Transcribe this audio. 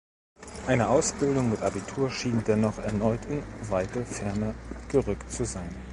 Eine Ausbildung mit Abitur schien dennoch erneut in weite Ferne gerückt zu sein.